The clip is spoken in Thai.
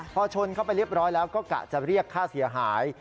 พอชนเข้าไปเรียบร้อยแล้วก็กะจะเรียกค่าเสียหาย